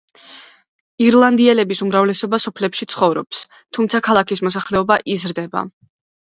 ირლანდიელების უმრავლესობა სოფლებში ცხოვრობს, თუმცა ქალაქის მოსახლეობა იზრდება.